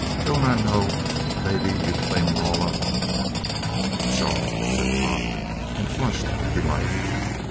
Don't I know maybe you'd clean 'em all up?" "Pshaw!" said Pop, and flushed with delight.